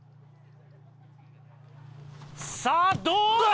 さあどうだ？